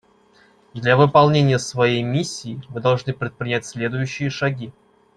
Для выполнения своей миссии мы должны предпринять следующие шаги.